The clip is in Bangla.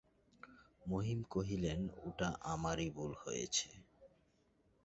মহিম কহিলেন, ওটা আমারই ভুল হয়েছে।